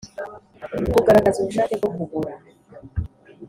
kugaragaza ubushake bwo kugura